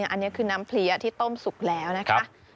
อันนี้คือน้ำเพลียที่ต้มสุกแล้วนะคะ